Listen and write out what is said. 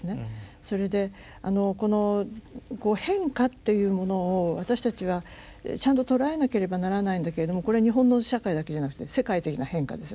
それでこの変化っていうものを私たちはちゃんと捉えなければならないんだけれどもこれは日本の社会だけじゃなくて世界的な変化ですよね。